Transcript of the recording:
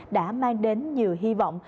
đã mang đến nhiều hy vọng